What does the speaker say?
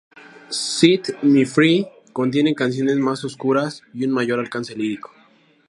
Set Me Free contiene canciones más oscuras y un mayor alcance lírico.